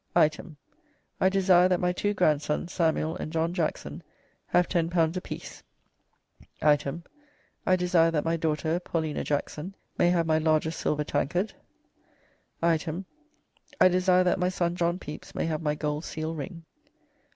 "Item. I desire that my two grandsons, Samuell and John Jackson, have ten pounds a piece. "Item. I desire that my daughter, Paulina Jackson, may have my largest silver tankerd. "Item. I desire that my son John Pepys may have my gold seale ring.